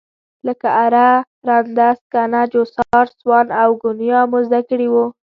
لکه اره، رنده، سکنه، چوسار، سوان او ګونیا مو زده کړي وو.